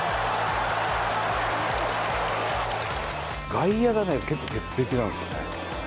外野が結構鉄壁なんですよね。